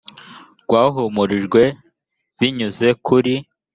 rwahumurijwe b binyuze kuri